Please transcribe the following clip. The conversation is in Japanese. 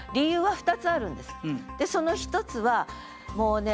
その一つはもうね